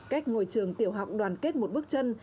cách ngồi trường tiểu học đoàn kết một bước chân